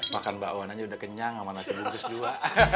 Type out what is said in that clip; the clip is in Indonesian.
makan bakwan aja udah kenyang sama nasi bungkus juga